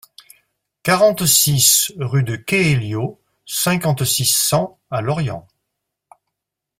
quarante-six rue de Quehellio, cinquante-six, cent à Lorient